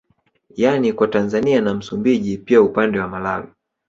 Yani kwa Tanzania na Msumbiji pia kwa upande wa Malawi